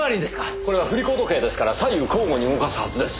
これは振り子時計ですから左右交互に動かすはずです。